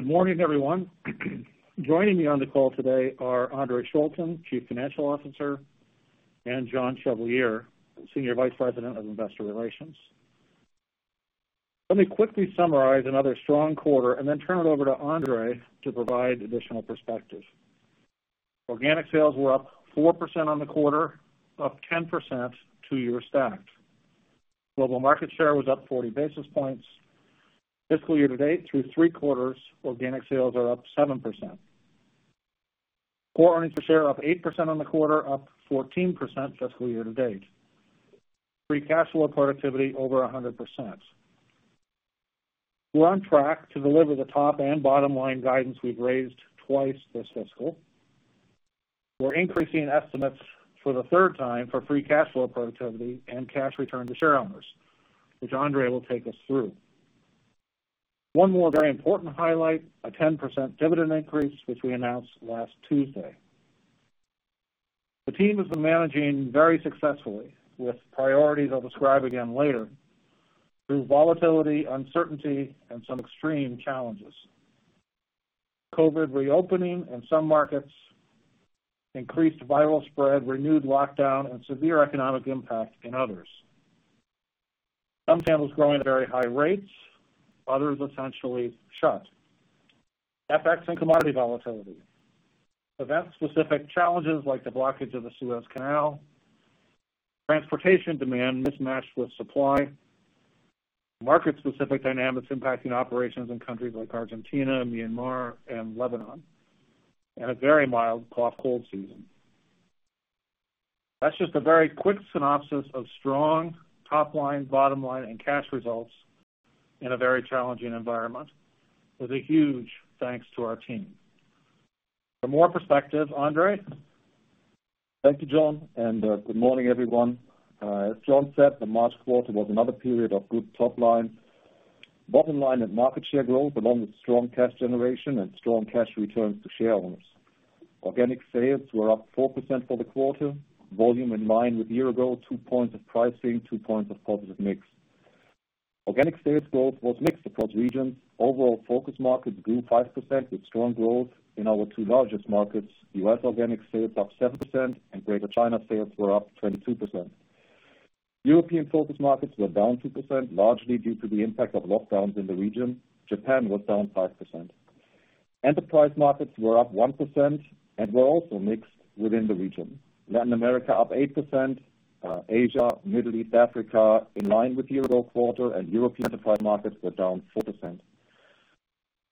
Good morning, everyone. Joining me on the call today are Andre Schulten, Chief Financial Officer, and John Chevalier, Senior Vice President of Investor Relations. Let me quickly summarize another strong quarter and then turn it over to Andre to provide additional perspective. Organic sales were up 4% on the quarter, up 10% two-year stacked. Global market share was up 40 basis points. Fiscal year-to-date through three quarters, organic sales are up 7%. Core Earnings Per Share up 8% on the quarter, up 14% fiscal year-to-date. Free cash flow productivity over 100%. We're on track to deliver the top and bottom line guidance we've raised twice this fiscal. We're increasing estimates for the third time for free cash flow productivity and cash return to shareowners, which Andre will take us through. One more very important highlight, a 10% dividend increase, which we announced last Tuesday. The team has been managing very successfully with priorities I'll describe again later through volatility, uncertainty, and some extreme challenges. COVID reopening in some markets, increased viral spread, renewed lockdown, and severe economic impact in others. Some channels growing at very high rates, others essentially shut. FX and commodity volatility. Event-specific challenges like the blockage of the Suez Canal, transportation demand mismatched with supply, market-specific dynamics impacting operations in countries like Argentina, Myanmar, and Lebanon, and a very mild cough/cold season. That's just a very quick synopsis of strong top line, bottom line, and cash results in a very challenging environment with a huge thanks to our team. For more perspective, Andre. Thank you, Jon, and good morning, everyone. As Jon said, the March quarter was another period of good top line, bottom line, and market share growth, along with strong cash generation and strong cash returns to shareowners. Organic sales were up 4% for the quarter. Volume in line with year ago, two points of pricing, two points of positive mix. Organic sales growth was mixed across regions. Overall, focus markets grew 5% with strong growth in our two largest markets. U.S. organic sales up 7% and Greater China sales were up 22%. European focus markets were down 2%, largely due to the impact of lockdowns in the region. Japan was down 5%. Enterprise markets were up 1% and were also mixed within the region. Latin America up 8%. Asia, Middle East, Africa in line with year-ago quarter and European enterprise markets were down 4%.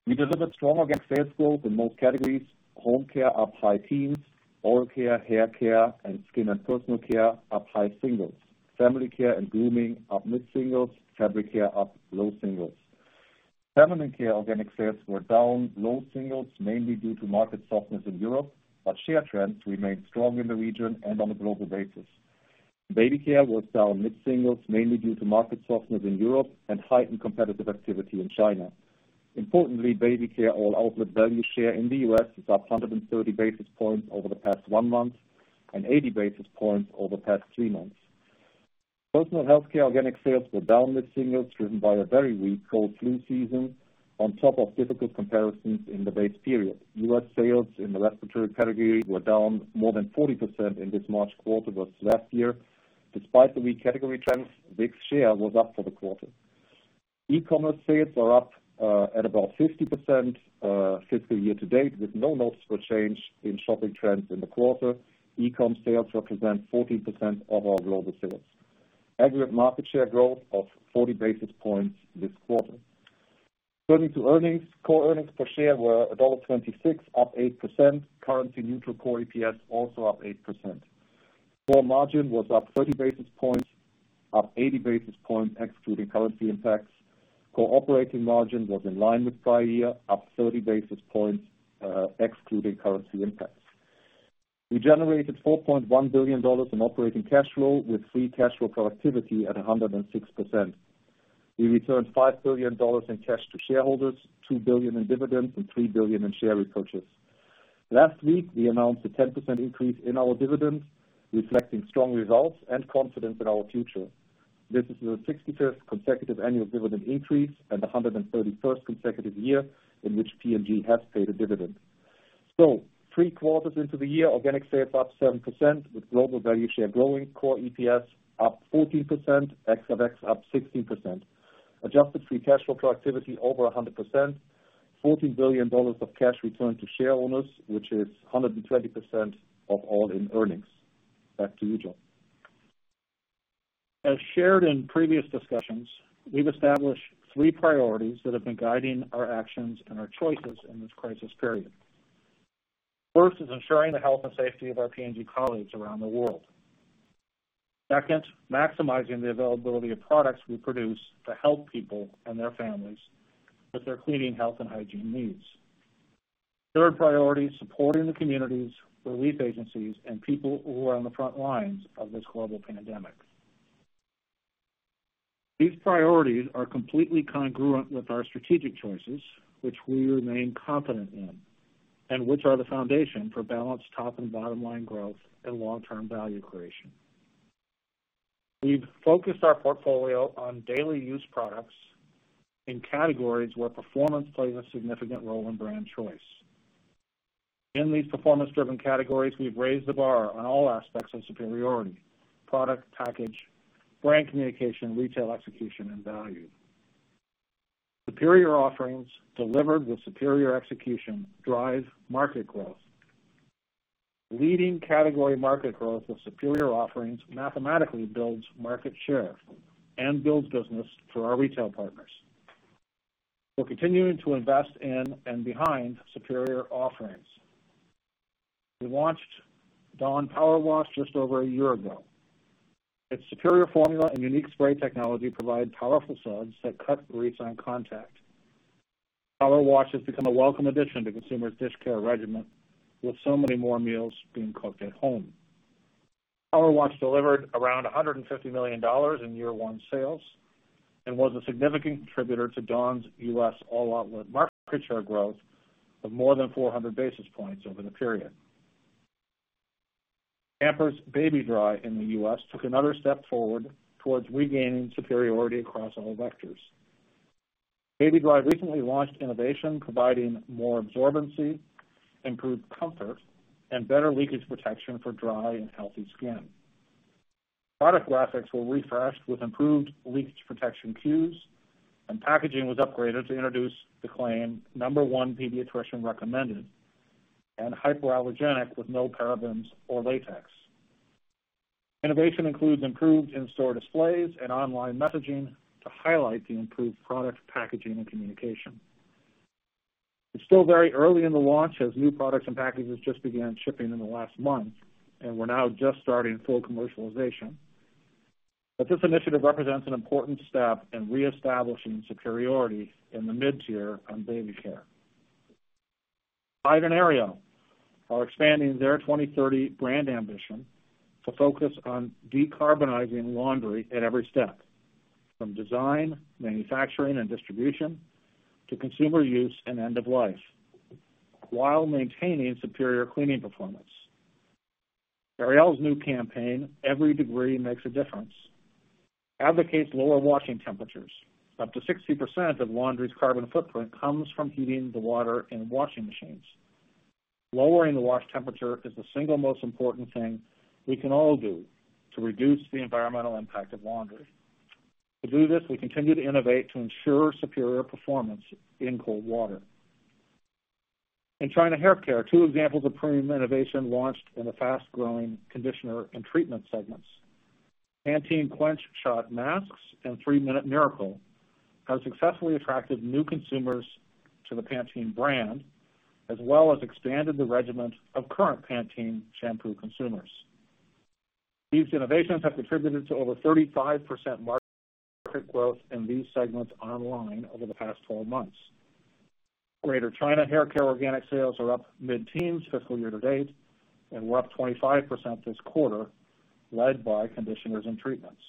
We delivered strong organic sales growth in most categories. Home Care up high teens. Oral Care, Hair Care, and Skin & Personal Care up high singles. Family Care and Grooming up mid-singles. Fabric Care up low singles. Feminine Care organic sales were down low singles, mainly due to market softness in Europe, but share trends remained strong in the region and on a global basis. Baby Care was down mid-singles, mainly due to market softness in Europe and heightened competitive activity in China. Importantly, Baby Care all outlet value share in the U.S. is up 130 basis points over the past one month and 80 basis points over the past three months. Personal Health Care organic sales were down mid-singles, driven by a very weak cold flu season on top of difficult comparisons in the base period. U.S. sales in the respiratory category were down more than 40% in this March quarter versus last year. Despite the weak category trends, Vicks share was up for the quarter. e-commerce sales are up at about 50% fiscal year to date, with no noticeable change in shopping trends in the quarter. e-com sales represent 14% of our global sales. Aggregate market share growth of 40 basis points this quarter. Turning to earnings, Core earnings per share were $1.26, up 8%. Currency neutral Core EPS also up 8%. Core margin was up 30 basis points, up 80 basis points excluding currency impacts. Core operating margin was in line with prior year, up 30 basis points excluding currency impacts. We generated $4.1 billion in operating cash flow with free cash flow productivity at 106%. We returned $5 billion in cash to shareholders, $2 billion in dividends and $3 billion in share repurchases. Last week, we announced a 10% increase in our dividends, reflecting strong results and confidence in our future. This is the 65th consecutive annual dividend increase and the 131st consecutive year in which P&G has paid a dividend. Three quarters into the year, organic sales up 7% with global value share growing. Core EPS up 14%. ex-FX up 16%. Adjusted free cash flow productivity over 100%. $14 billion of cash returned to shareowners, which is 120% of all-in earnings. Back to you, Jon. As shared in previous discussions, we've established three priorities that have been guiding our actions and our choices in this crisis period. First is ensuring the health and safety of our P&G colleagues around the world. Second, maximizing the availability of products we produce to help people and their families with their cleaning, health, and hygiene needs. Third priority, supporting the communities, relief agencies, and people who are on the front lines of this global pandemic. These priorities are completely congruent with our strategic choices, which we remain confident in. Which are the foundation for balanced top and bottom line growth and long-term value creation. We've focused our portfolio on daily use products in categories where performance plays a significant role in brand choice. In these performance-driven categories, we've raised the bar on all aspects of superiority, product, package, brand communication, retail execution, and value. Superior offerings delivered with superior execution drive market growth. Leading category market growth with superior offerings mathematically builds market share and builds business for our retail partners. We're continuing to invest in and behind superior offerings. We launched Dawn Powerwash just over a year ago. Its superior formula and unique spray technology provide powerful suds that cut grease on contact. Powerwash has become a welcome addition to consumers' dish care regimen, with so many more meals being cooked at home. Powerwash delivered around $150 million in year one sales and was a significant contributor to Dawn's U.S. all-outlet market share growth of more than 400 basis points over the period. Pampers Baby-Dry in the U.S. took another step forward towards regaining superiority across all vectors. Baby-Dry recently launched innovation providing more absorbency, improved comfort, and better leakage protection for dry and healthy skin. Product graphics were refreshed with improved leakage protection cues. Packaging was upgraded to introduce the claim number one pediatrician recommended and hypoallergenic with no parabens or latex. Innovation includes improved in-store displays and online messaging to highlight the improved product packaging and communication. It's still very early in the launch as new products and packages just began shipping in the last month, and we're now just starting full commercialization. This initiative represents an important step in reestablishing superiority in the mid-tier on Baby Care. Tide and Ariel are expanding their 20-30 brand ambition to focus on decarbonizing laundry at every step, from design, manufacturing, and distribution to consumer use and end of life, while maintaining superior cleaning performance. Ariel's new campaign, Every Degree Makes a Difference, advocates lower washing temperatures. Up to 60% of laundry's carbon footprint comes from heating the water in washing machines. Lowering the wash temperature is the single most important thing we can all do to reduce the environmental impact of laundry. To do this, we continue to innovate to ensure superior performance in cold water. In China Hair Care, two examples of premium innovation launched in the fast-growing conditioner and treatment segments. Pantene Quench Intensive Shot Hair Mask and 3 Minute Miracle have successfully attracted new consumers to the Pantene brand, as well as expanded the regimen of current Pantene shampoo consumers. These innovations have contributed to over 35% market growth in these segments online over the past 12 months. Greater China Hair Care organic sales are up mid-teens fiscal year-to-date, and were up 25% this quarter, led by conditioners and treatments.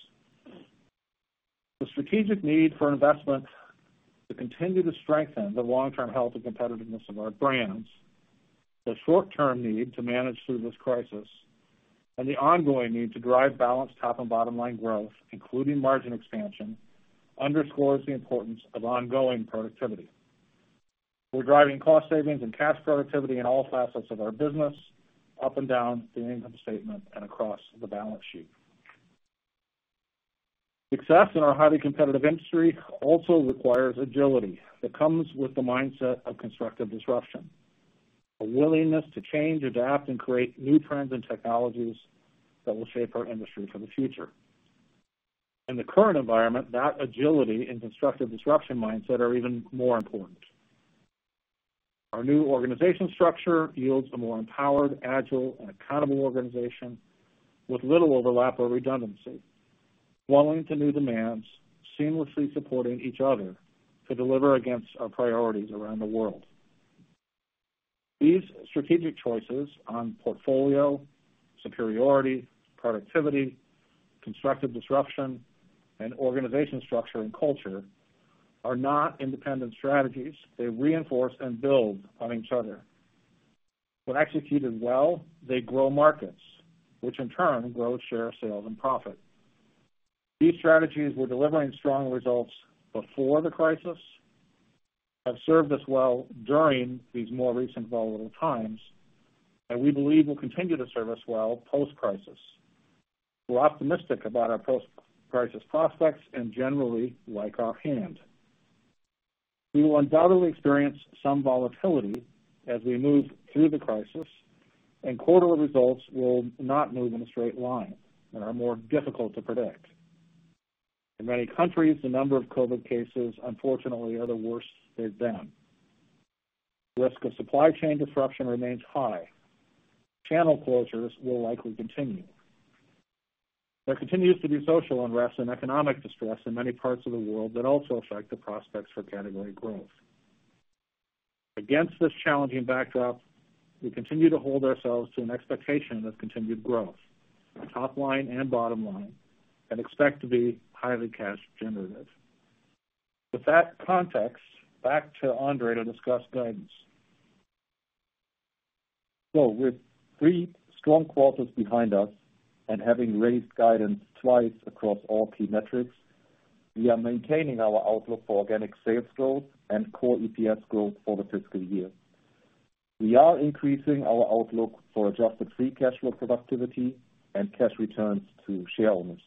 The strategic need for investment to continue to strengthen the long-term health and competitiveness of our brands, the short-term need to manage through this crisis, and the ongoing need to drive balanced top and bottom line growth, including margin expansion, underscores the importance of ongoing productivity. We're driving cost savings and cash productivity in all facets of our business, up and down the income statement and across the balance sheet. Success in our highly competitive industry also requires agility that comes with the mindset of constructive disruption, a willingness to change, adapt, and create new trends and technologies that will shape our industry for the future. In the current environment, that agility and constructive disruption mindset are even more important. Our new organization structure yields a more empowered, agile, and accountable organization with little overlap or redundancy, [willing to] new demands, seamlessly supporting each other to deliver against our priorities around the world. These strategic choices on portfolio, superiority, productivity, constructive disruption, and organization structure and culture are not independent strategies. They reinforce and build on each other. When executed well, they grow markets, which in turn grow share, sales, and profit. These strategies were delivering strong results before the crisis, have served us well during these more recent volatile times, and we believe will continue to serve us well post-crisis. We're optimistic about our post-crisis prospects and generally like our hand. We will undoubtedly experience some volatility as we move through the crisis, and quarterly results will not move in a straight line and are more difficult to predict. In many countries, the number of COVID cases, unfortunately, are the worst they've been. Risk of supply chain disruption remains high. Channel closures will likely continue. There continues to be social unrest and economic distress in many parts of the world that also affect the prospects for category growth. Against this challenging backdrop, we continue to hold ourselves to an expectation of continued growth, top line and bottom line, and expect to be highly cash generative. With that context, back to Andre to discuss guidance. With three strong quarters behind us and having raised guidance twice across all key metrics, we are maintaining our outlook for organic sales growth and Core EPS growth for the fiscal year. We are increasing our outlook for adjusted free cash flow productivity and cash returns to shareowners.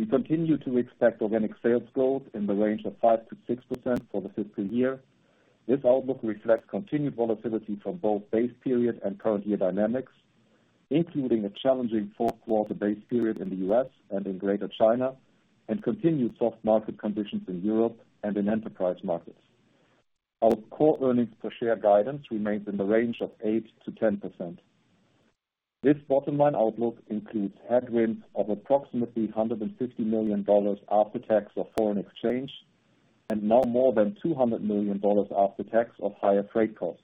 We continue to expect organic sales growth in the range of 5%-6% for the fiscal year. This outlook reflects continued volatility from both base period and current year dynamics, including a challenging fourth quarter base period in the U.S. and in Greater China and continued soft market conditions in Europe and in enterprise markets. Our Core EPS guidance remains in the range of 8%-10%. This bottom line outlook includes headwinds of approximately $150 million after tax of foreign exchange, and now more than $200 million after tax of higher freight costs.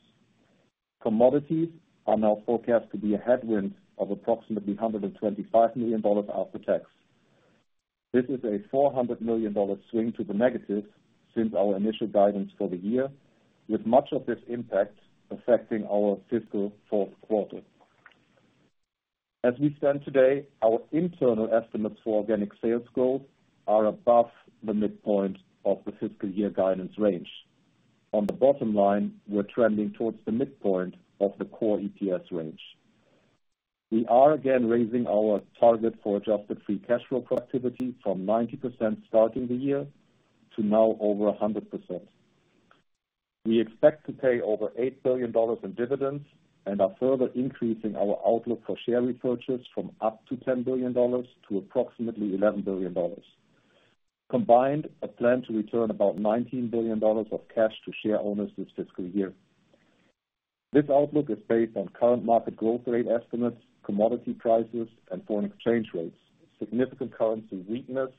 Commodities are now forecast to be a headwind of approximately $125 million after tax. This is a $400 million swing to the negative since our initial guidance for the year, with much of this impact affecting our fiscal fourth quarter. As we stand today, our internal estimates for organic sales growth are above the midpoint of the fiscal year guidance range. On the bottom line, we're trending towards the midpoint of the Core EPS range. We are again raising our target for adjusted free cash flow productivity from 90% starting the year to now over 100%. We expect to pay over $8 billion in dividends and are further increasing our outlook for share repurchase from up to $10 billion to approximately $11 billion. Combined, a plan to return about $19 billion of cash to shareowners this fiscal year. This outlook is based on current market growth rate estimates, commodity prices, and foreign exchange rates. Significant currency weakness,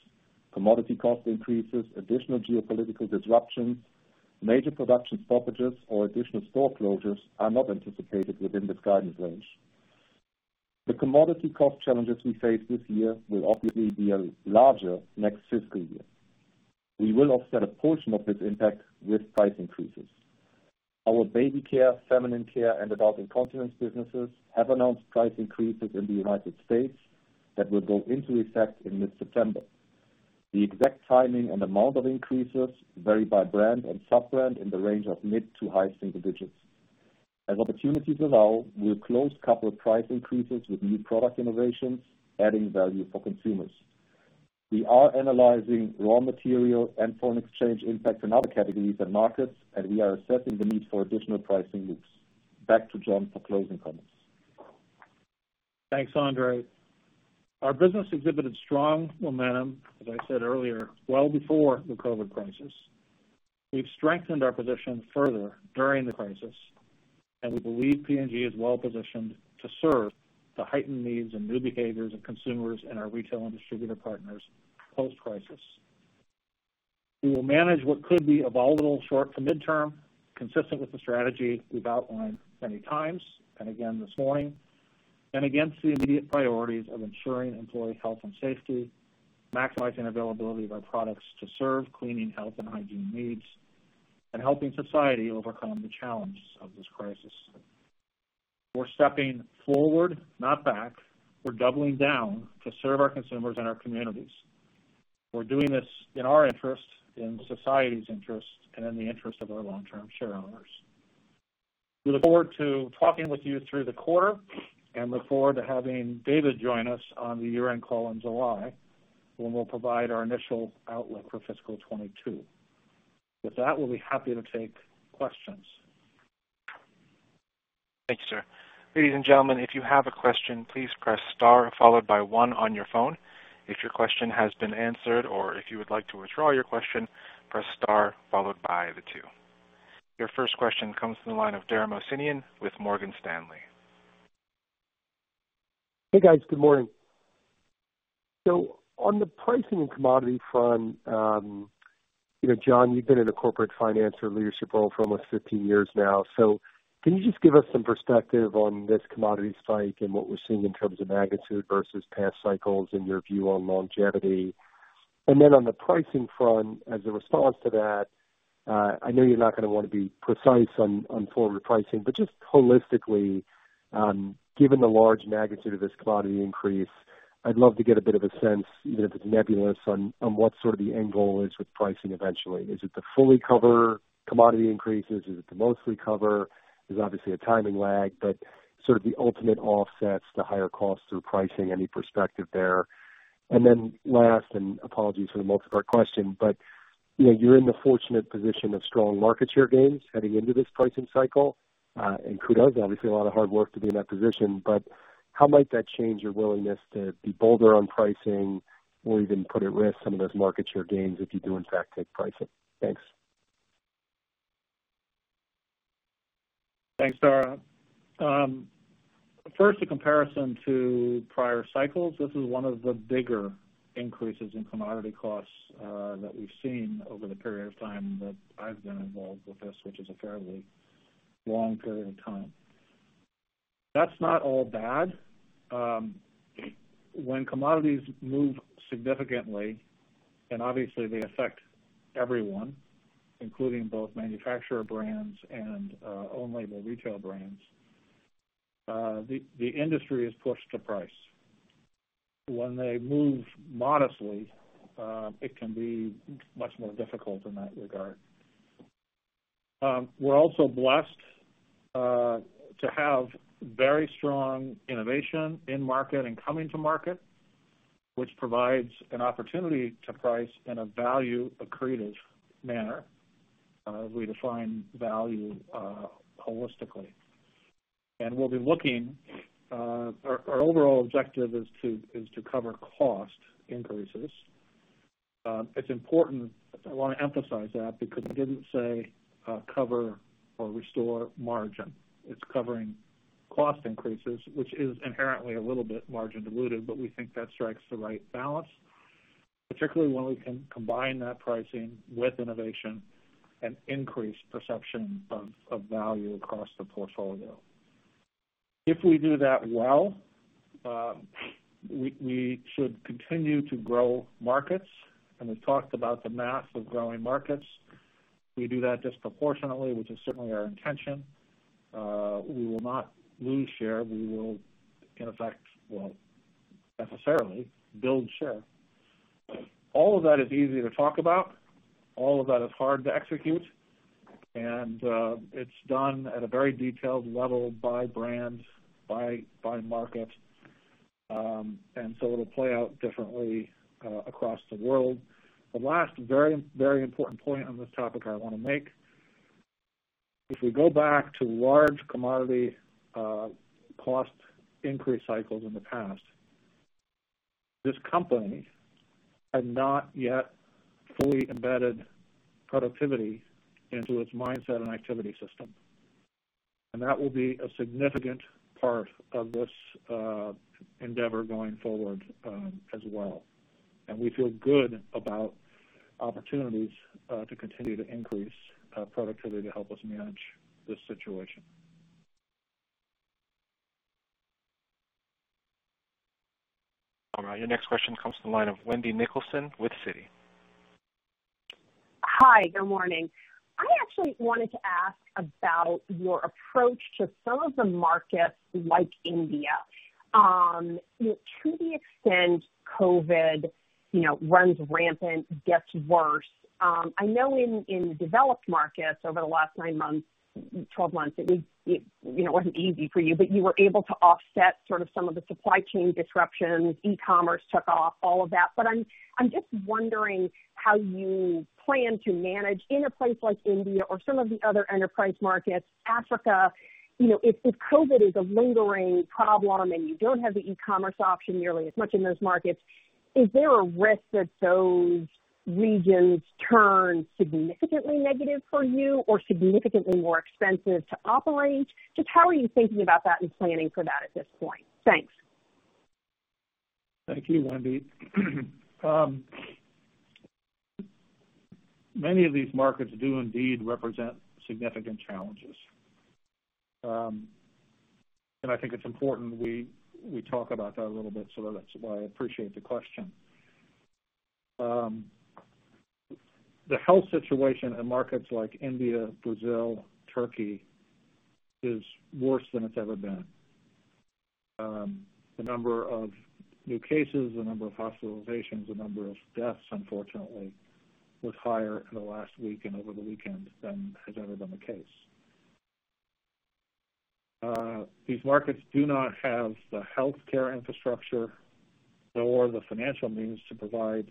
commodity cost increases, additional geopolitical disruptions, major production stoppages, or additional store closures are not anticipated within this guidance range. The commodity cost challenges we face this year will obviously be larger next fiscal year. We will offset a portion of this impact with price increases. Our Baby Care, Feminine Care, and adult incontinence businesses have announced price increases in the U.S. that will go into effect in mid-September. The exact timing and amount of increases vary by brand and sub-brand in the range of mid to high single digits. As opportunities allow, we'll close coupled price increases with new product innovations, adding value for consumers. We are analyzing raw material and foreign exchange impact in other categories and markets, and we are assessing the need for additional pricing moves. Back to Jon for closing comments. Thanks, Andre. Our business exhibited strong momentum, as I said earlier, well before the COVID crisis. We've strengthened our position further during the crisis, and we believe P&G is well-positioned to serve the heightened needs and new behaviors of consumers and our retail and distributor partners post-crisis. We will manage what could be a volatile short to midterm, consistent with the strategy we've outlined many times and again this morning, and against the immediate priorities of ensuring employee health and safety, maximizing availability of our products to serve cleaning, health, and hygiene needs, and helping society overcome the challenges of this crisis. We're stepping forward, not back. We're doubling down to serve our consumers and our communities. We're doing this in our interest, in society's interest, and in the interest of our long-term shareowners. We look forward to talking with you through the quarter and look forward to having David join us on the year-end call in July, when we'll provide our initial outlook for fiscal 2022. With that, we'll be happy to take questions. Thank you, sir. Ladies and gentlemen, if you have a question, please press star followed by one on your phone. If your question has been answered or if you would like to withdraw your question, press star followed by the two. Your first question comes from the line of Dara Mohsenian with Morgan Stanley. Hey, guys. Good morning. On the pricing and commodity front, you know, Jon, you've been in a corporate finance or leadership role for almost 15 years now. Can you just give us some perspective on this commodity spike and what we're seeing in terms of magnitude versus past cycles and your view on longevity? On the pricing front, as a response to that, I know you're not gonna wanna be precise on forward pricing, but just holistically, given the large magnitude of this commodity increase, I'd love to get a bit of a sense, even if it's nebulous, on what sort of the end goal is with pricing eventually. Is it to fully cover commodity increases? Is it to mostly cover? There's obviously a timing lag, but sort of the ultimate offsets to higher costs through pricing, any perspective there? Last, apologies for the multi-part question, you know, you're in the fortunate position of strong market share gains heading into this pricing cycle. Kudos. Obviously, a lot of hard work to be in that position. How might that change your willingness to be bolder on pricing or even put at risk some of those market share gains if you do in fact take pricing? Thanks. Thanks, Dara. First, a comparison to prior cycles. This is one of the bigger increases in commodity costs that we've seen over the period of time that I've been involved with this, which is a fairly long period of time. That's not all bad. When commodities move significantly, and obviously they affect everyone, including both manufacturer brands and own label retail brands, the industry is pushed to price. When they move modestly, it can be much more difficult in that regard. We're also blessed to have very strong innovation in market and coming to market, which provides an opportunity to price in a value-accretive manner as we define value holistically. We'll be looking. Our overall objective is to cover cost increases. It's important, I wanna emphasize that, because we didn't say, cover or restore margin. It's covering cost increases, which is inherently a little bit margin dilutive, but we think that strikes the right balance, particularly when we can combine that pricing with innovation and increase perception of value across the portfolio. If we do that well, we should continue to grow markets, and we've talked about the math of growing markets. We do that disproportionately, which is certainly our intention. We will not lose share, we will, in effect, well, necessarily build share. All of that is easy to talk about. All of that is hard to execute. It's done at a very detailed level by brand, by market. It'll play out differently across the world. The last very, very important point on this topic I wanna make, if we go back to large commodity cost increase cycles in the past, this company had not yet fully embedded productivity into its mindset and activity system. That will be a significant part of this endeavor going forward as well. We feel good about opportunities to continue to increase productivity to help us manage this situation. All right, your next question comes to the line of Wendy Nicholson with Citi. Hi, good morning. I actually wanted to ask about your approach to some of the markets like India. To the extent COVID, you know, runs rampant, gets worse, I know in developed markets over the last 9 months, 12 months, it was, you know, it wasn't easy for you, but you were able to offset sort of some of the supply chain disruptions, e-commerce took off, all of that. I'm just wondering how you plan to manage in a place like India or some of the other enterprise markets, Africa, you know, if COVID is a lingering problem and you don't have the e-commerce option nearly as much in those markets, is there a risk that those regions turn significantly negative for you or significantly more expensive to operate? Just how are you thinking about that and planning for that at this point? Thanks. Thank you, Wendy. Many of these markets do indeed represent significant challenges. I think it's important we talk about that a little bit, so that's why I appreciate the question. The health situation in markets like India, Brazil, Turkey is worse than it's ever been. The number of new cases, the number of hospitalizations, the number of deaths, unfortunately, was higher in the last week and over the weekend than has ever been the case. These markets do not have the healthcare infrastructure nor the financial means to provide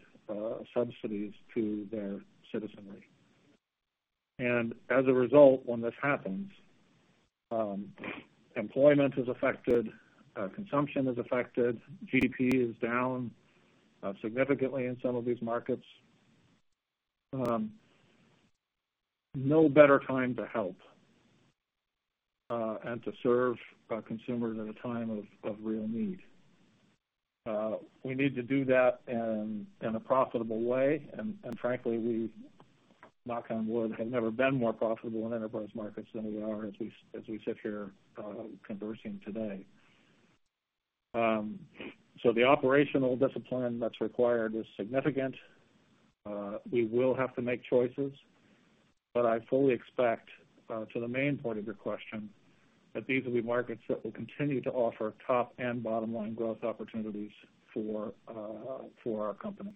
subsidies to their citizenry. As a result, when this happens, employment is affected, consumption is affected, GDP is down significantly in some of these markets. No better time to help and to serve our consumers at a time of real need. We need to do that in a profitable way, and frankly, we, knock on wood, have never been more profitable in enterprise markets than we sit here conversing today. The operational discipline that's required is significant. We will have to make choices, but I fully expect to the main point of your question, that these will be markets that will continue to offer top and bottom line growth opportunities for our company.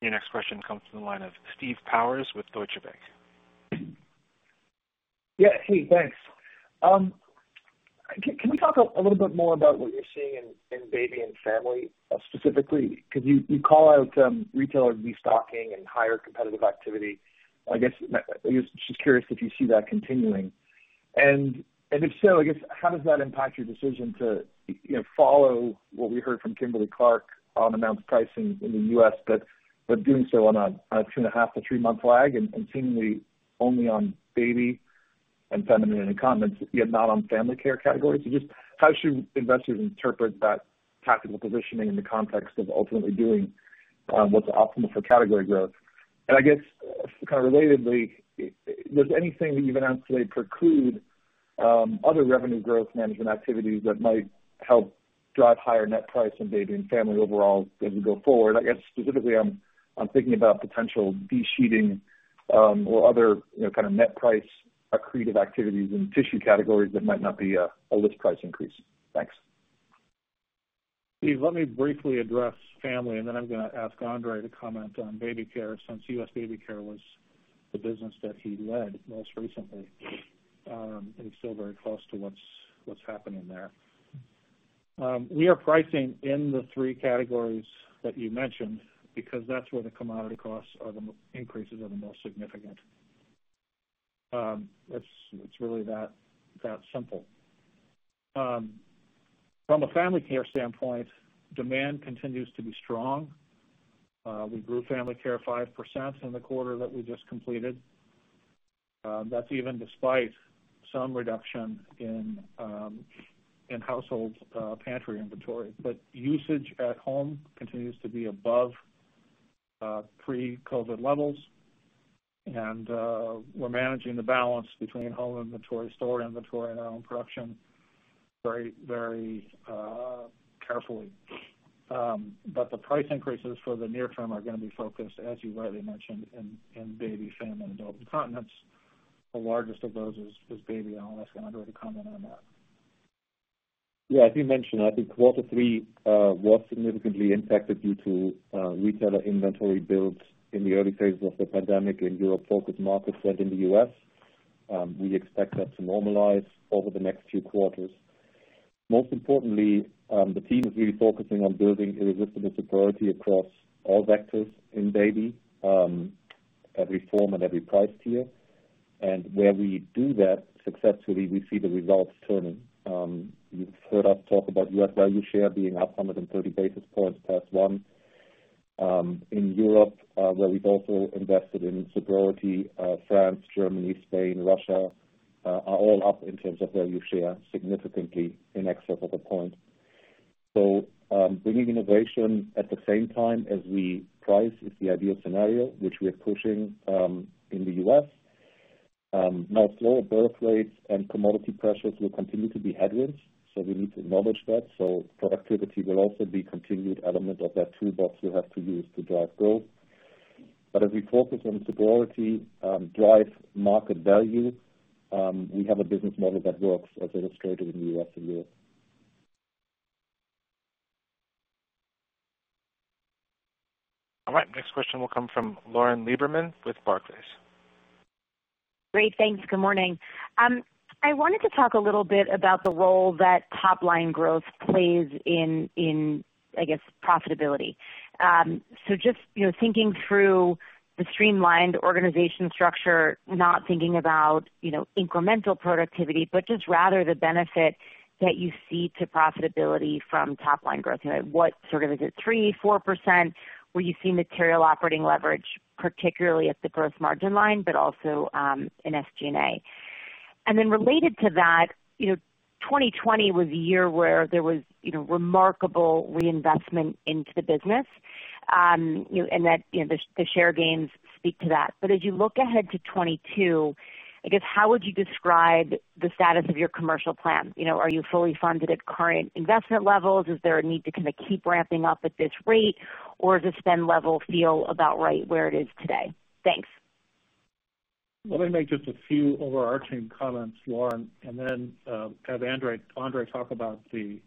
Your next question comes to the line of Steve Powers with Deutsche Bank. Hey, thanks. Can we talk a little bit more about what you're seeing in Baby and Family specifically? 'Cause you call out retailer restocking and higher competitive activity. I guess, just curious if you see that continuing. If so, I guess how does that impact your decision to, you know, follow what we heard from Kimberly-Clark on amounts of pricing in the U.S., but doing so on a two and a half to three-month lag and seemingly only on baby. Feminine and incontinence, yet not on Family Care categories. Just how should investors interpret that tactical positioning in the context of ultimately doing what's optimal for category growth? I guess kind of relatedly, does anything that you've announced today preclude other revenue growth management activities that might help drive higher net price in Baby Care and Family Care overall as we go forward? I guess specifically, I'm thinking about potential de-sheeting or other, you know, kind of net price accretive activities in tissue categories that might not be a list price increase. Thanks. Steve, let me briefly address Family Care, and then I'm gonna ask Andre to comment on Baby Care since U.S. Baby Care was the business that he led most recently, and he's still very close to what's happening there. We are pricing in the three categories that you mentioned because that's where the commodity costs are the increases are the most significant. It's really that simple. From a Family Care standpoint, demand continues to be strong. We grew Family Care 5% in the quarter that we just completed. That's even despite some reduction in household pantry inventory. Usage at home continues to be above pre-COVID levels. We're managing the balance between home inventory, store inventory, and our own production very carefully. The price increases for the near term are gonna be focused, as you rightly mentioned, in baby, family, and adult incontinence. The largest of those is baby, and I'll ask Andre to comment on that. As you mentioned, I think quarter three was significantly impacted due to retailer inventory builds in the early phases of the pandemic in Europe-focused markets than in the U.S. We expect that to normalize over the next few quarters. Most importantly, the team is really focusing on building irresistible superiority across all vectors in Baby Care, every form and every price tier. Where we do that successfully, we see the results turning. You've heard us talk about U.S. value share being up 130 basis points + 1. In Europe, where we've also invested in superiority, France, Germany, Spain, Russia, are all up in terms of value share significantly in excess of a point. Bringing innovation at the same time as we price is the ideal scenario, which we are pushing in the U.S. Now slower birth rates and commodity pressures will continue to be headwinds, so we need to acknowledge that. Productivity will also be continued element of that toolbox we have to use to drive growth. As we focus on superiority, drive market value, we have a business model that works, as illustrated in the U.S. and Europe. All right, next question will come from Lauren Lieberman with Barclays. Great. Thanks. Good morning. I wanted to talk a little bit about the role that top line growth plays in, I guess, profitability. Just, you know, thinking through the streamlined organization structure, not thinking about, you know, incremental productivity, but just rather the benefit that you see to profitability from top line growth. You know, is it 3%, 4%? Will you see material operating leverage, particularly at the gross margin line, but also in SG&A? Related to that, you know, 2020 was a year where there was, you know, remarkable reinvestment into the business, you know, and that, you know, the share gains speak to that. As you look ahead to 2022, I guess, how would you describe the status of your commercial plan? You know, are you fully funded at current investment levels? Is there a need to kinda keep ramping up at this rate, or does spend level feel about right where it is today? Thanks. Let me make just a few overarching comments, Lauren, then have Andre talk about the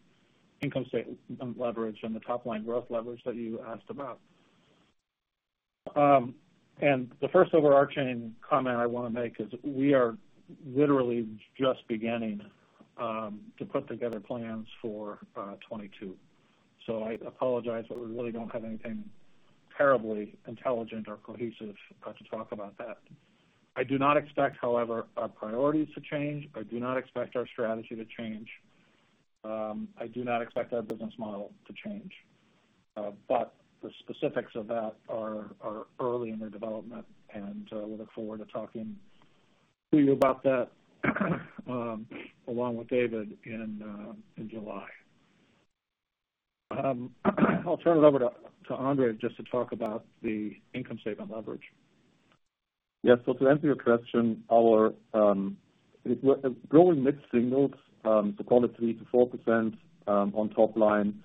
income statement leverage and the top line growth leverage that you asked about. The first overarching comment I wanna make is we are literally just beginning to put together plans for 2022. I apologize, but we really don't have anything terribly intelligent or cohesive to talk about that. I do not expect, however, our priorities to change. I do not expect our strategy to change. I do not expect our business model to change. The specifics of that are early in their development, and we look forward to talking to you about that along with David in July. I'll turn it over to Andre just to talk about the income statement leverage. To answer your question, our, if we're growing mid-singles, to call it 3%-4%, on top line,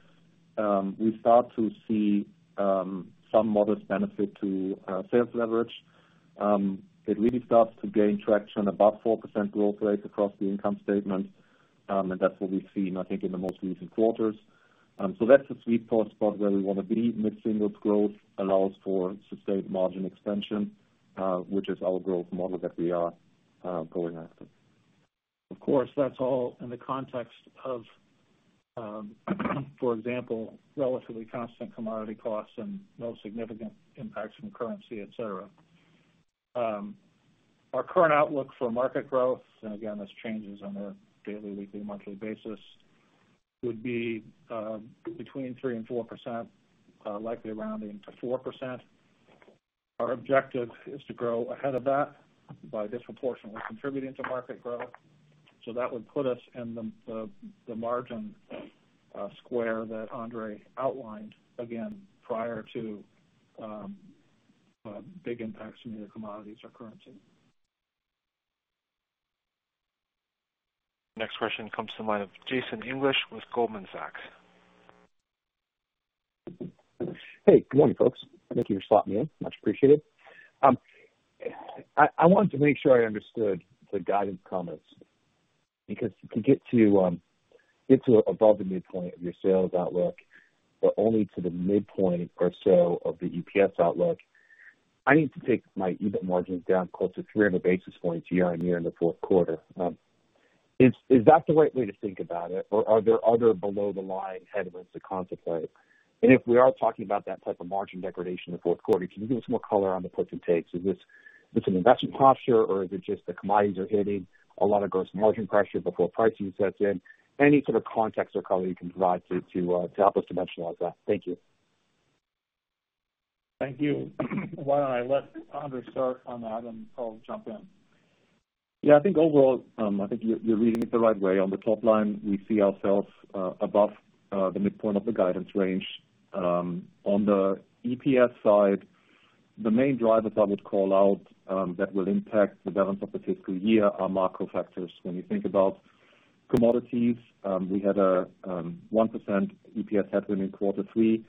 we start to see some modest benefit to sales leverage. It really starts to gain traction above 4% growth rates across the income statement, and that's what we've seen, I think, in the most recent quarters. That's the sweet spot where we wanna be. Mid-singles growth allows for sustained margin expansion, which is our growth model that we are going after. Of course, that's all in the context of, for example, relatively constant commodity costs and no significant impacts from currency, etc. Our current outlook for market growth, and again, this changes on a daily, weekly, monthly basis, would be between 3% and 4%, likely rounding to 4%. Our objective is to grow ahead of that by disproportionately contributing to market growth. That would put us in the margin square that Andre outlined again prior to big impacts from either commodities or currency. Next question comes to the line of Jason English with Goldman Sachs. Good morning, folks. Thank you for slotting me in. Much appreciated. I wanted to make sure I understood the guidance comments because to get to above the midpoint of your sales outlook, but only to the midpoint or so of the EPS outlook, I need to take my EBIT margins down close to 300 basis points year-on-year in the fourth quarter. Is that the right way to think about it, or are there other below-the-line headwinds to contemplate? If we are talking about that type of margin degradation in the fourth quarter, can you give us more color on the puts and takes? Is this an investment posture, or is it just the commodities are hitting a lot of gross margin pressure before pricing sets in? Any sort of context or color you can provide to help us dimensionalize that? Thank you. Thank you. Why don't I let Andre start on that, and Paul jump in. Yeah, I think overall, I think you're reading it the right way. On the top line, we see ourselves above the midpoint of the guidance range. On the EPS side, the main drivers I would call out that will impact the balance of the fiscal year are macro factors. When you think about commodities, we had a 1% EPS headwind in quarter three,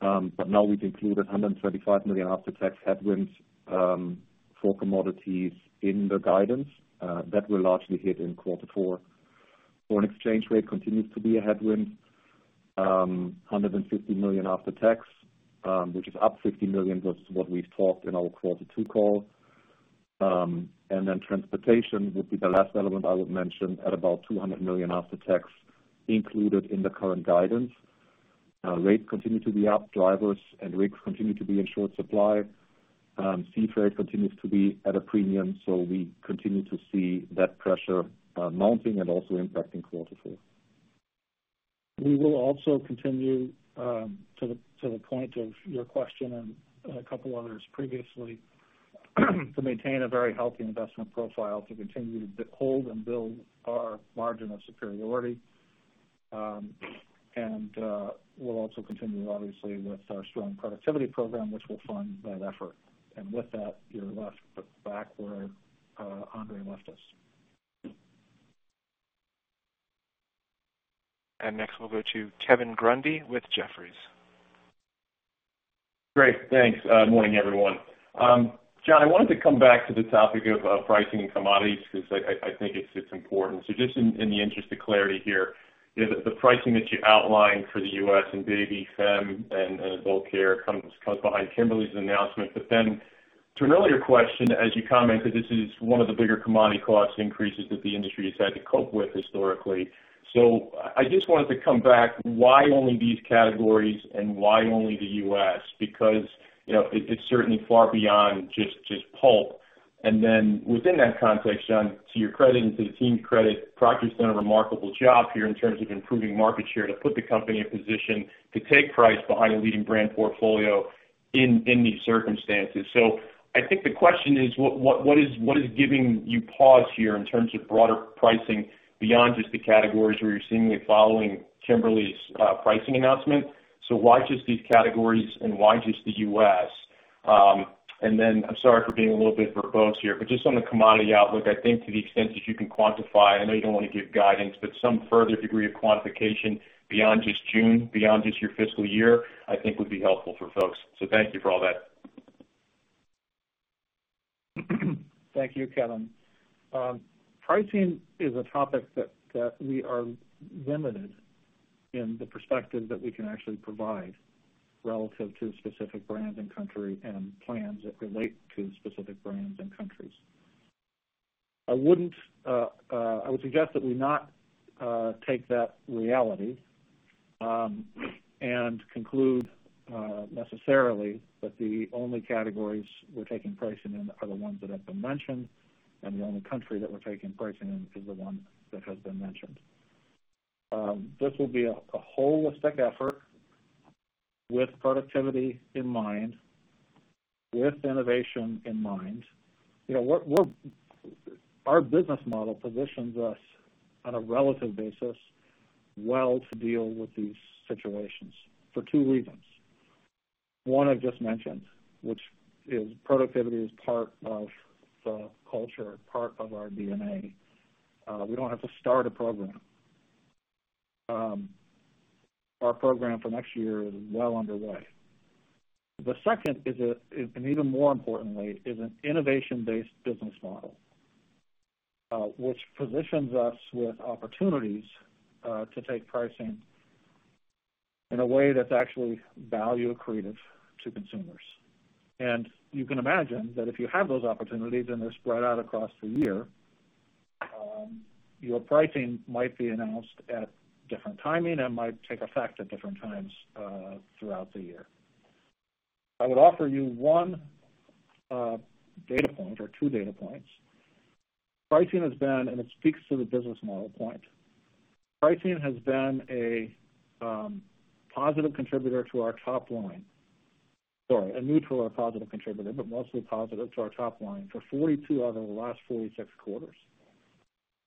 but now we've included $135 million after-tax headwinds for commodities in the guidance that will largely hit in quarter four. Foreign exchange rate continues to be a headwind, $150 million after tax, which is up $50 million versus what we'd talked in our quarter two call. Transportation would be the last element I would mention at about $200 million after tax included in the current guidance. Rates continue to be up. Drivers and rigs continue to be in short supply. Sea freight continues to be at a premium. We continue to see that pressure mounting and also impacting quarter four. We will also continue, to the point of your question and a couple others previously, to maintain a very healthy investment profile, to continue to hold and build our margin of superiority. We'll also continue obviously with our strong productivity program, which will fund that effort. With that, we're left back where Andre left us. Next, we'll go to Kevin Grundy with Jefferies. Great. Thanks. Morning, everyone. John Chevalier, I wanted to come back to the topic of pricing and commodities because I think it's important. Just in the interest of clarity here, the pricing that you outlined for the U.S. and Baby Care, Feminine Care, and adult incontinence comes behind Kimberly-Clark's announcement. To an earlier question, as you commented, this is one of the bigger commodity cost increases that the industry has had to cope with historically. I just wanted to come back, why only these categories and why only the U.S.? You know, it's certainly far beyond just pulp. Within that context, John Chevalier, to your credit and to the team's credit, P&G's done a remarkable job here in terms of improving market share to put the company in position to take price behind a leading brand portfolio in these circumstances. I think the question is: what is giving you pause here in terms of broader pricing beyond just the categories where you're seemingly following Kimberly-Clark's pricing announcement? Why just these categories and why just the U.S.? I'm sorry for being a little bit verbose here, but just on the commodity outlook, I think to the extent that you can quantify, I know you don't wanna give guidance, but some further degree of quantification beyond just June, beyond just your fiscal year, I think would be helpful for folks. Thank you for all that. Thank you, Kevin. Pricing is a topic that we are limited in the perspective that we can actually provide relative to specific brands and country and plans that relate to specific brands and countries. I would suggest that we not take that reality and conclude necessarily that the only categories we're taking pricing in are the ones that have been mentioned, and the only country that we're taking pricing in is the one that has been mentioned. This will be a holistic effort with productivity in mind, with innovation in mind. You know, we're Our business model positions us on a relative basis well to deal with these situations for two reasons. One I've just mentioned, which is productivity is part of the culture, part of our DNA. We don't have to start a program. Our program for next year is well underway. The second is, and even more importantly, is an innovation-based business model, which positions us with opportunities to take pricing in a way that's actually value accretive to consumers. You can imagine that if you have those opportunities and they're spread out across the year, your pricing might be announced at different timing and might take effect at different times throughout the year. I would offer you one data point or two data points. Pricing has been, and it speaks to the business model point. Pricing has been a positive contributor to our top line. Sorry, a neutral or positive contributor, but mostly positive to our top line for 42 out of the last 46 quarters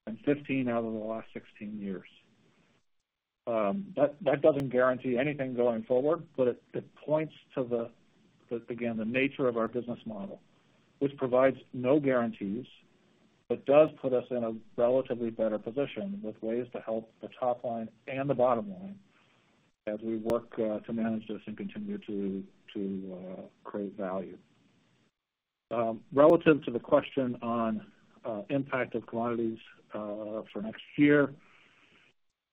and 15 out of the last 16 years. That doesn't guarantee anything going forward, but it points to the nature of our business model, which provides no guarantees, but does put us in a relatively better position with ways to help the top line and the bottom line as we work to manage this and continue to create value. Relative to the question on impact of quantities for next year,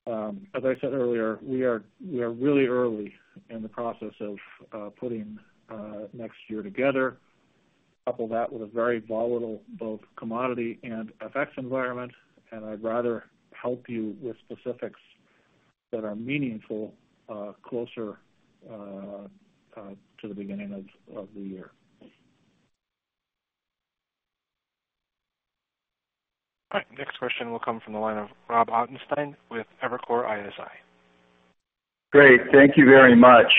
as I said earlier, we are really early in the process of putting next year together. Couple that with a very volatile both commodity and FX environment, I'd rather help you with specifics that are meaningful closer to the beginning of the year. All right, next question will come from the line of Robert Ottenstein with Evercore ISI. Great. Thank you very much.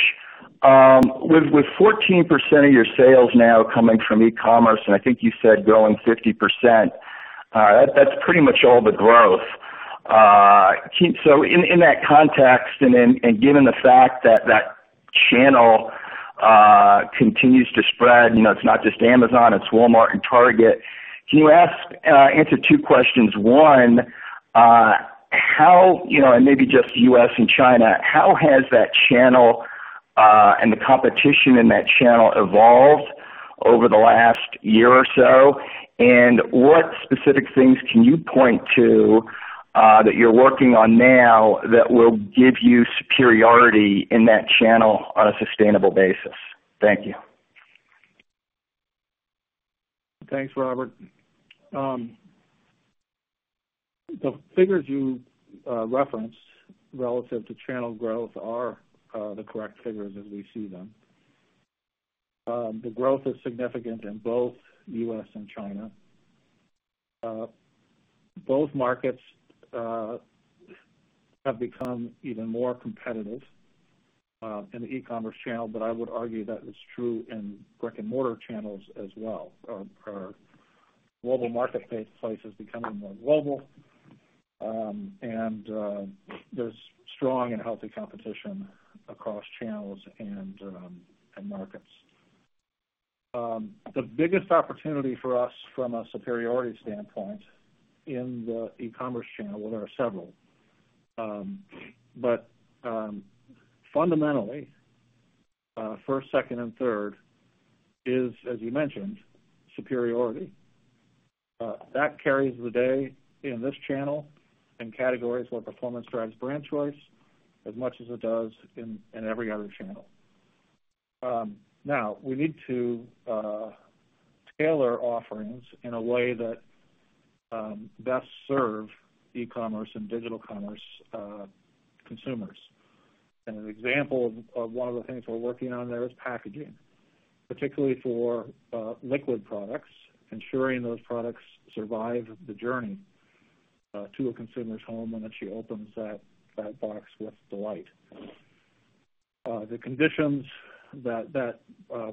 With 14% of your sales now coming from e-commerce, and I think you said growing 50%, that's pretty much all the growth. In that context and then, given the fact that that channel continues to spread, you know, it's not just Amazon, it's Walmart and Target. Can you answer two questions. One, how, you know, and maybe just U.S. and China, how has that channel and the competition in that channel evolved over the last year or so? What specific things can you point to that you're working on now that will give you superiority in that channel on a sustainable basis? Thank you. Thanks, Robert. The figures you referenced relative to channel growth are the correct figures as we see them. The growth is significant in both U.S. and China. Both markets have become even more competitive in the e-commerce channel, but I would argue that is true in brick-and-mortar channels as well. Our global marketplace is becoming more global, and there's strong and healthy competition across channels and markets. The biggest opportunity for us from a superiority standpoint in the e-commerce channel, well, there are several, but fundamentally, first, second, and third is, as you mentioned, superiority. That carries the day in this channel in categories where performance drives brand choice as much as it does in every other channel. Now, we need to tailor offerings in a way that best serve e-commerce and digital commerce consumers. An example of one of the things we're working on there is packaging, particularly for liquid products, ensuring those products survive the journey to a consumer's home when she opens that box with delight. The conditions that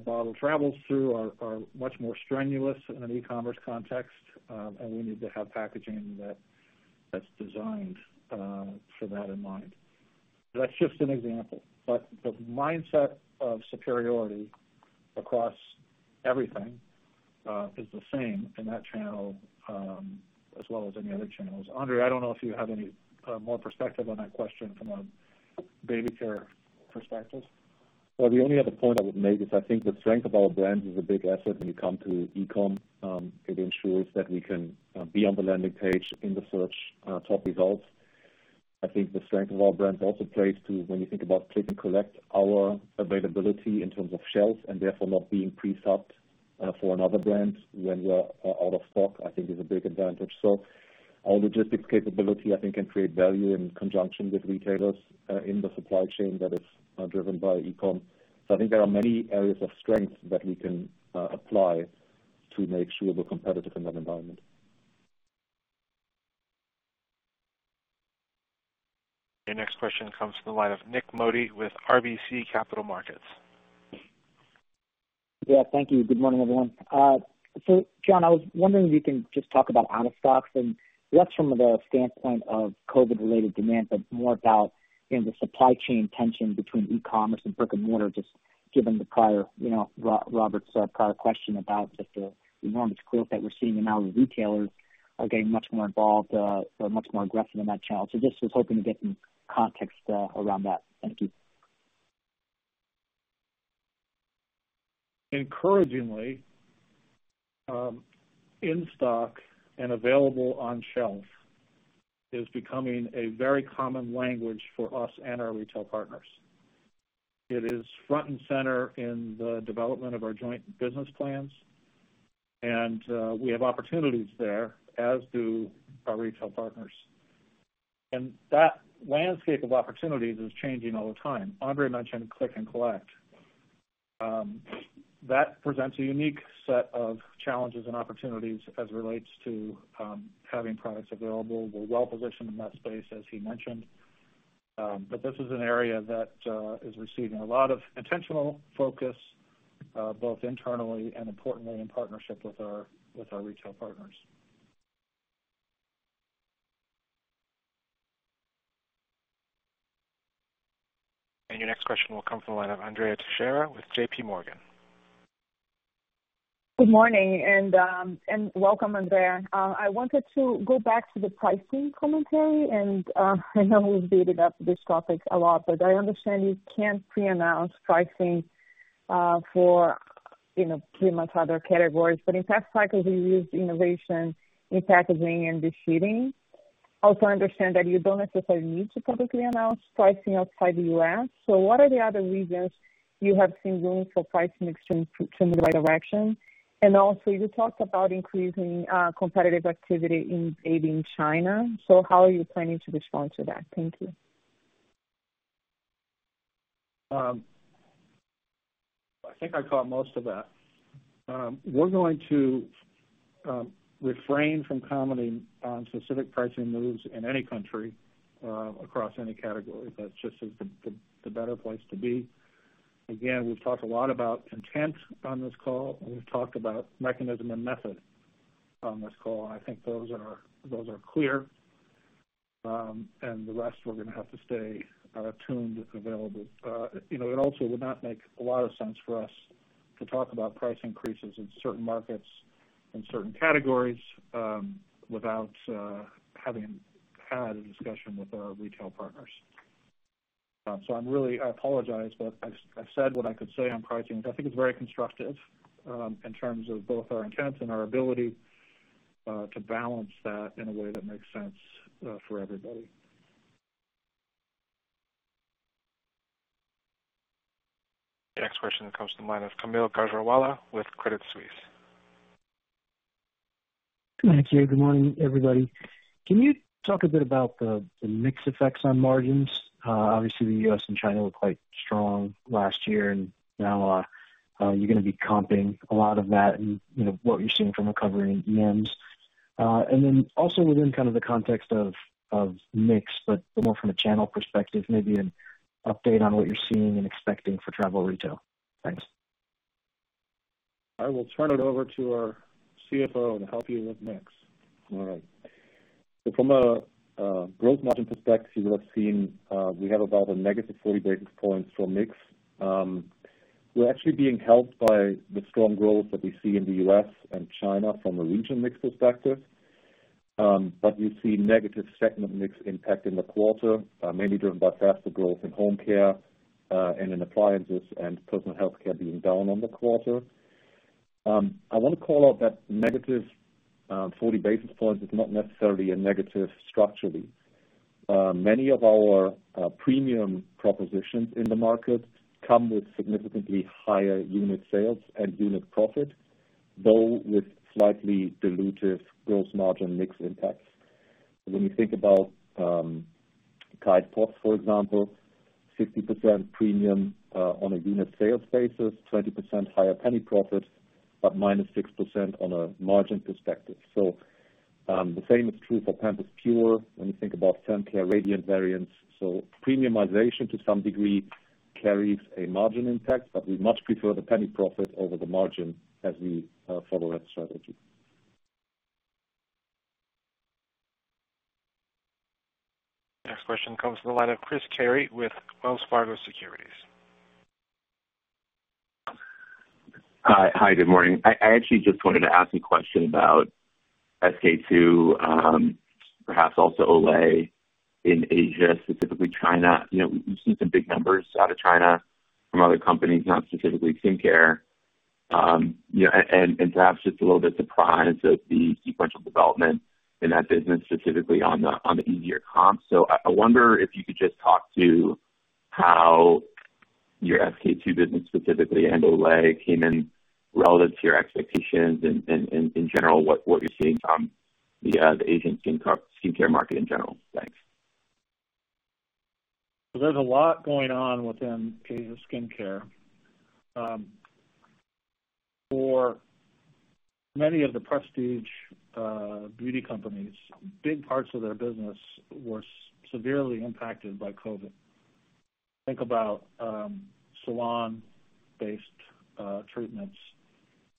bottle travels through are much more strenuous in an e-commerce context, and we need to have packaging that's designed for that in mind. That's just an example. The mindset of superiority across everything is the same in that channel as well as any other channels. Andre, I don't know if you have any more perspective on that question from a Baby Care perspective. The only other point I would make is I think the strength of our brand is a big asset when you come to e-com. It ensures that we can be on the landing page in the search top results. I think the strength of our brand also plays to when you think about click and collect, our availability in terms of shelf, and therefore not being pre-subbed for another brand when we are out of stock, I think is a big advantage. I think our logistics capability, I think, can create value in conjunction with retailers in the supply chain that is driven by e-com. I think there are many areas of strength that we can apply to make sure we're competitive in that environment. Your next question comes from the line of Nik Modi with RBC Capital Markets. Yeah. Thank you. Good morning, everyone. John, I was wondering if you can just talk about out-of-stocks and less from the standpoint of COVID-related demand, but more about, you know, the supply chain tension between e-commerce and brick-and-mortar, just given the prior, you know, Robert's prior question about just the enormous growth that we're seeing and how the retailers are getting much more involved or much more aggressive in that channel. just was hoping to get some context around that. Thank you. Encouragingly, in-stock and available on shelf is becoming a very common language for us and our retail partners. It is front and center in the development of our joint business plans, and we have opportunities there, as do our retail partners. That landscape of opportunities is changing all the time. Andre mentioned click and collect. That presents a unique set of challenges and opportunities as it relates to having products available. We're well-positioned in that space, as he mentioned. This is an area that is receiving a lot of intentional focus both internally and importantly in partnership with our, with our retail partners. Your next question will come from the line of Andrea Teixeira with JPMorgan. Good morning, and welcome, Andre. I wanted to go back to the pricing commentary, and I know we've [beated] up this topic a lot, but I understand you can't pre-announce pricing for, you know, pretty much other categories. In past cycles, you used innovation in packaging and de-sheeting. I understand that you don't necessarily need to publicly announce pricing outside the U.S. What are the other reasons you have seen room for pricing to move the right direction? Also, you talked about increasing competitive activity in AD in China. How are you planning to respond to that? Thank you. I think I caught most of that. We're going to refrain from commenting on specific pricing moves in any country across any category. That just is the better place to be. Again, we've talked a lot about intent on this call. We've talked about mechanism and method on this call. I think those are clear. The rest we're gonna have to stay tuned, available. You know, it also would not make a lot of sense for us to talk about price increases in certain markets, in certain categories, without having had a discussion with our retail partners. I apologize, but I've said what I could say on pricing. I think it's very constructive, in terms of both our intent and our ability, to balance that in a way that makes sense, for everybody. The next question comes to the line of Kaumil Gajrawala with Credit Suisse. Thank you. Good morning, everybody. Can you talk a bit about the mix effects on margins? Obviously, the U.S. and China were quite strong last year, and now, you're gonna be comping a lot of that and, you know, what you're seeing from recovering EMs. Then also within kind of the context of mix, but more from a channel perspective, maybe an update on what you're seeing and expecting for travel retail. Thanks. I will turn it over to our CFO to help you with mix. All right. From a gross margin perspective, you have seen, we have about a negative 40 basis points for mix. We're actually being helped by the strong growth that we see in the U.S. and China from a regional mix perspective. You see negative segment mix impact in the quarter, mainly driven by faster growth in home care, and in appliances and Personal Health Care being down on the quarter. I want to call out that negative 40 basis points is not necessarily a negative structurally. Many of our premium propositions in the market come with significantly higher unit sales and unit profit, though with slightly dilutive gross margin mix impacts. When you think about, Tide PODS, for example, 50% premium, on a unit sales basis, 20% higher penny profit, but minus 6% on a margin perspective. The same is true for Pampers Pure when you think about skin care radiant variants. Premiumization to some degree carries a margin impact, but we much prefer the penny profit over the margin as we follow that strategy. Next question comes from the line of Christopher Carey with Wells Fargo Securities. Hi. Good morning. I actually just wanted to ask a question about SK-II, perhaps also Olay in Asia, specifically China. You know, we've seen some big numbers out of China from other companies, not specifically skincare. You know, and perhaps just a little bit surprised at the sequential development in that business, specifically on the easier comps. I wonder if you could just talk to how your SK-II business specifically and Olay came in relative to your expectations and in general, what you're seeing from the Asian skincare market in general. Thanks. There's a lot going on within Asia Skin & Personal Care. For many of the prestige beauty companies, big parts of their business were severely impacted by COVID. Think about salon-based treatments,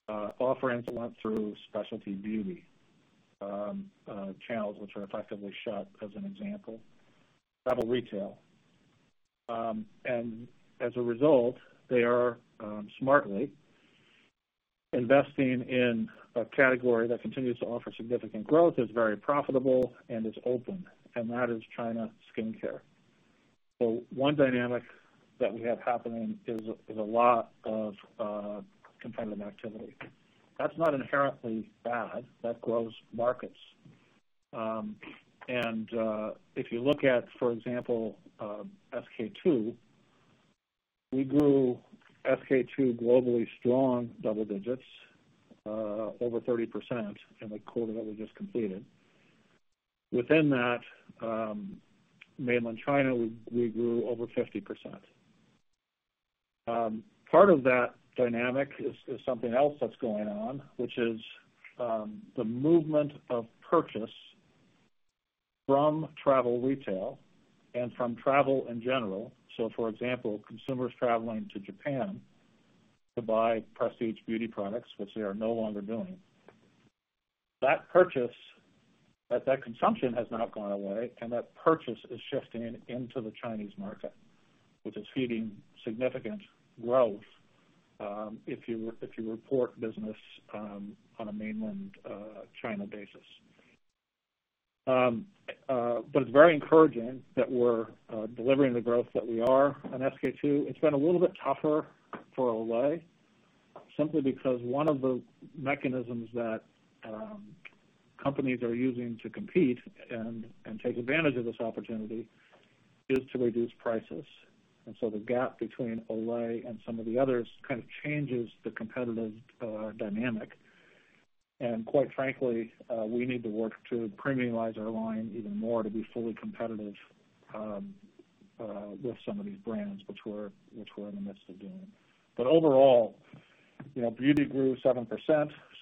offerings that went through specialty beauty channels which are effectively shut, as an example, travel retail. As a result, they are smartly investing in a category that continues to offer significant growth, is very profitable, and is open, and that is China Skin & Personal Care. One dynamic that we have happening is a lot of competitive activity. That's not inherently bad. That grows markets. If you look at, for example, SK-II. We grew SK-II globally strong double digits, over 30% in the quarter that we just completed. Within that, mainland China, we grew over 50%. Part of that dynamic is something else that's going on, which is the movement of purchase from travel retail and from travel in general. For example, consumers traveling to Japan to buy prestige beauty products, which they are no longer doing. That consumption has not gone away, and that purchase is shifting into the Chinese market, which is feeding significant growth, if you report business on a mainland China basis. It's very encouraging that we're delivering the growth that we are on SK-II. It's been a little bit tougher for Olay simply because one of the mechanisms that companies are using to compete and take advantage of this opportunity is to reduce prices. The gap between Olay and some of the others kind of changes the competitive dynamic. Quite frankly, we need to work to premiumize our line even more to be fully competitive with some of these brands, which we're in the midst of doing. Overall, you know, beauty grew 7%,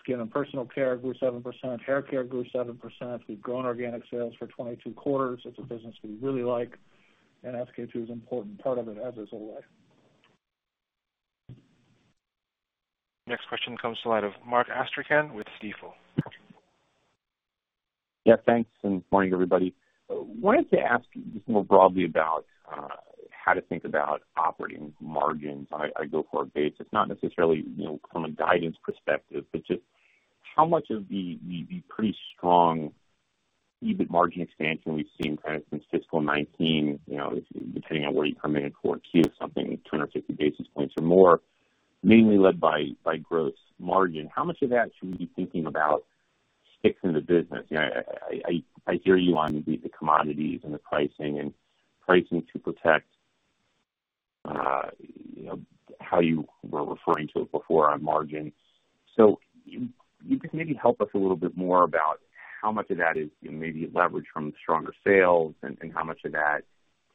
Skin & Personal Care grew 7%, Hair Care grew 7%. We've grown organic sales for 22 quarters. It's a business we really like, and SK-II is an important part of it, as is Olay. Next question comes to the line of Mark Astrachan with Stifel. Thanks, and morning, everybody. Wanted to ask just more broadly about how to think about operating margins on a go-forward basis, not necessarily, you know, from a guidance perspective, but just how much of the pretty strong EBIT margin expansion we've seen kind of since fiscal 2019, you know, depending on where you come in at Core EPS or something, 10 or 15 basis points or more, mainly led by gross margin. How much of that should we be thinking about sticks in the business? You know, I hear you on the commodities and the pricing and pricing to protect, you know, how you were referring to it before on margins. You just maybe help us a little bit more about how much of that is, you know, maybe leverage from stronger sales and how much of that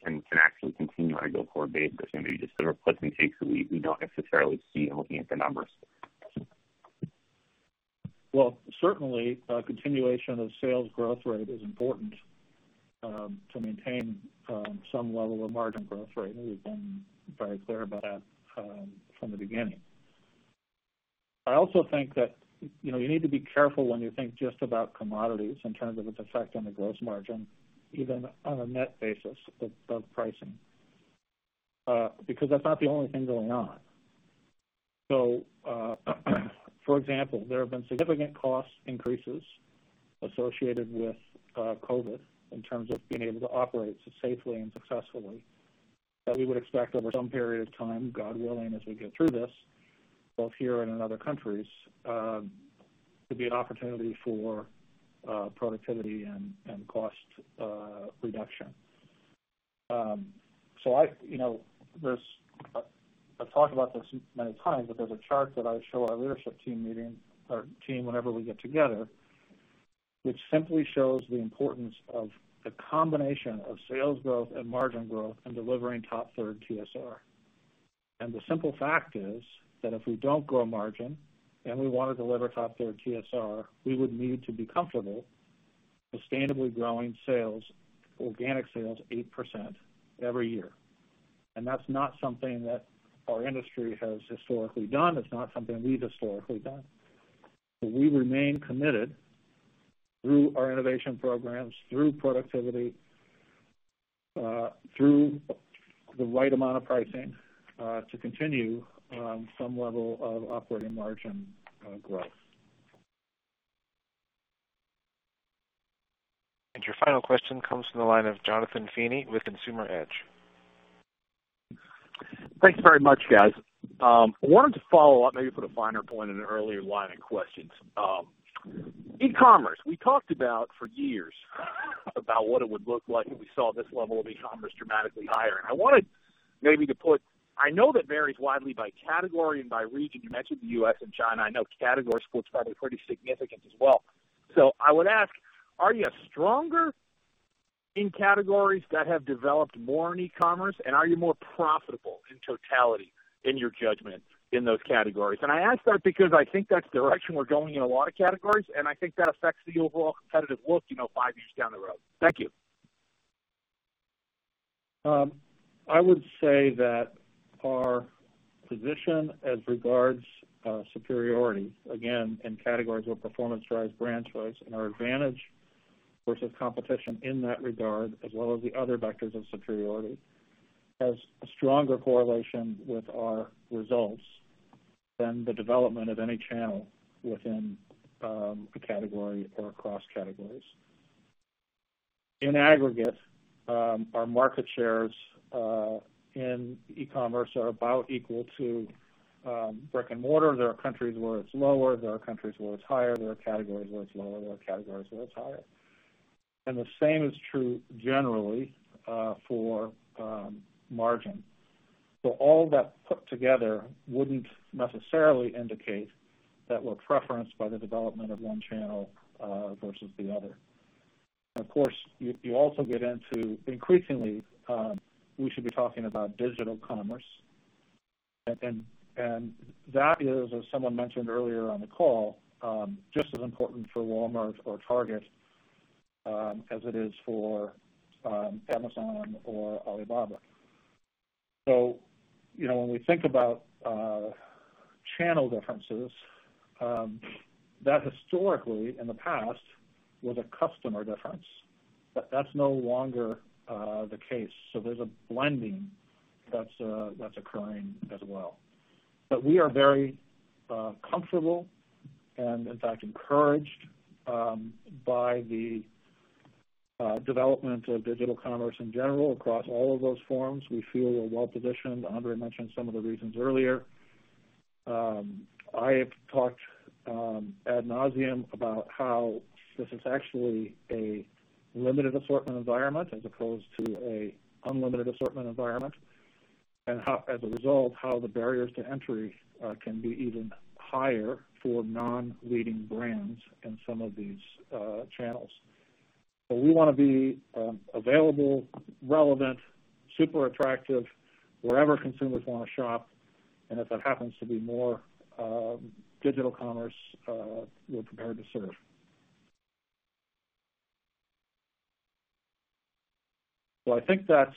can actually continue on a go-forward basis. You know, are these just sort of puts and takes that we don't necessarily see looking at the numbers? Well, certainly, continuation of sales growth rate is important to maintain some level of margin growth rate. We've been very clear about that from the beginning. I also think that, you know, you need to be careful when you think just about commodities in terms of its effect on the gross margin, even on a net basis of pricing, because that's not the only thing going on. For example, there have been significant cost increases associated with COVID in terms of being able to operate safely and successfully that we would expect over some period of time, God willing, as we get through this, both here and in other countries, to be an opportunity for productivity and cost reduction. I know, I've talked about this many times, but there's a chart that I show our leadership team meeting or team whenever we get together, which simply shows the importance of the combination of sales growth and margin growth in delivering top third TSR. The simple fact is that if we don't grow margin and we wanna deliver top third TSR, we would need to be comfortable sustainably growing sales, organic sales, 8% every year. That's not something that our industry has historically done. It's not something we've historically done. We remain committed through our innovation programs, through productivity, through the right amount of pricing, to continue some level of operating margin growth. Your final question comes from the line of Jonathan Feeney with Consumer Edge. Thanks very much, guys. I wanted to follow up maybe put a finer point in an earlier line of questions. e-commerce, we talked about for years about what it would look like if we saw this level of e-commerce dramatically higher. I wanted maybe to put I know that varies widely by category and by region. You mentioned the U.S. and China. I know category's probably pretty significant as well. I would ask, are you stronger in categories that have developed more in e-commerce, and are you more profitable in totality, in your judgment, in those categories? I ask that because I think that's the direction we're going in a lot of categories, and I think that affects the overall competitive look, you know, five years down the road. Thank you. I would say that our position as regards superiority, again, in categories where performance drives brand choice and our advantage versus competition in that regard, as well as the other vectors of superiority, has a stronger correlation with our results than the development of any channel within a category or across categories. In aggregate, our market shares in e-commerce are about equal to brick-and-mortar. There are countries where it's lower, there are countries where it's higher, there are categories where it's lower, there are categories where it's higher. The same is true generally for margin. All that put together wouldn't necessarily indicate that we're preferenced by the development of one channel versus the other. Of course, you also get into Increasingly, we should be talking about digital commerce. That is, as someone mentioned earlier on the call, just as important for Walmart or Target, as it is for Amazon or Alibaba. You know, when we think about channel differences, that historically in the past was a customer difference, but that's no longer the case, so there's a blending that's occurring as well. We are very comfortable and, in fact, encouraged by the development of digital commerce in general across all of those forms. We feel we're well-positioned. Andre mentioned some of the reasons earlier. I have talked ad nauseam about how this is actually a limited assortment environment as opposed to an unlimited assortment environment, and how, as a result, how the barriers to entry can be even higher for non-leading brands in some of these channels. we wanna be available, relevant, super attractive wherever consumers wanna shop. If that happens to be more digital commerce, we're prepared to serve. I think that's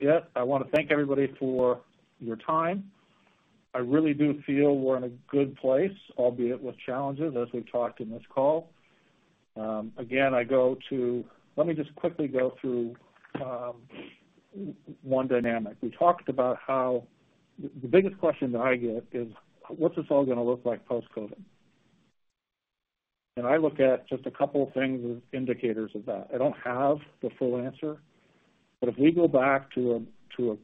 it. I wanna thank everybody for your time. I really do feel we're in a good place, albeit with challenges, as we've talked in this call. Again, let me just quickly go through one dynamic. We talked about how the biggest question that I get is, what's this all gonna look like post-COVID? I look at just a couple of things as indicators of that. I don't have the full answer, but if we go back to a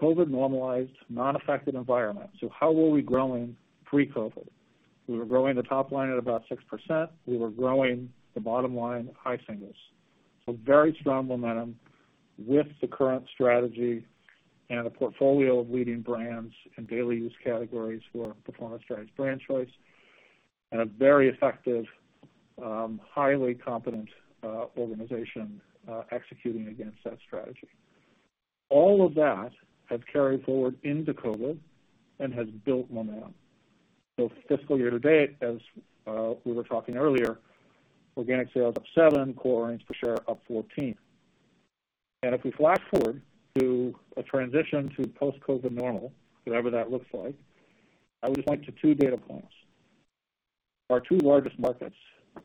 COVID-normalized, non-affected environment, how were we growing pre-COVID? We were growing the top line at about 6%. We were growing the bottom line high singles. Very strong momentum with the current strategy and a portfolio of leading brands and daily use categories for performance-driven brand choice, and a very effective, highly competent organization executing against that strategy. All of that have carried forward into COVID and has built momentum. Fiscal year to date, as we were talking earlier, organic sales up 7%, core earnings per share up 14%. If we flash forward to a transition to post-COVID normal, whatever that looks like, I would just point to two data points. Our two largest markets.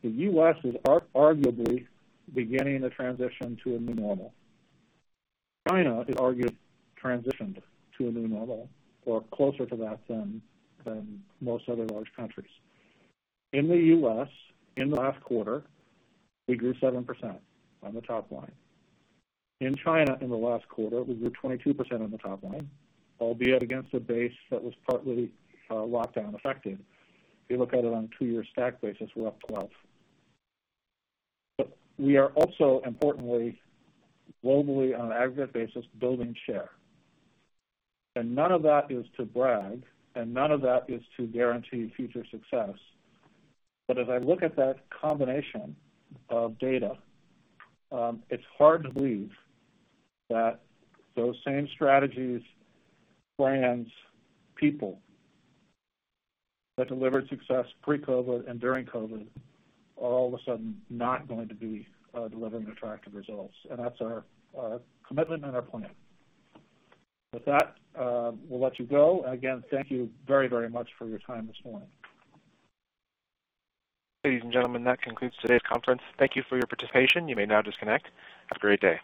The U.S. is arguably beginning the transition to a new normal. China is arguably transitioned to a new normal or closer to that than most other large countries. In the U.S., in the last quarter, we grew 7% on the top line. In China, in the last quarter, we grew 22% on the top line, albeit against a base that was partly lockdown affected. If you look at it on a two year stack basis, we're up 12. We are also importantly, globally on an aggregate basis, building share. None of that is to brag, and none of that is to guarantee future success. As I look at that combination of data, it's hard to believe that those same strategies, brands, people that delivered success pre-COVID and during COVID are all of a sudden not going to be delivering attractive results. That's our commitment and our plan. With that, we'll let you go. Again, thank you very much for your time this morning. Ladies and gentlemen, that concludes today's conference. Thank you for your participation. You may now disconnect. Have a great day.